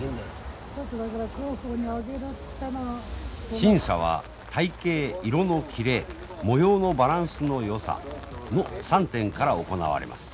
審査は体形色の切れ模様のバランスのよさの３点から行われます。